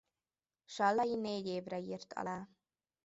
Sallai négy évre írt alá.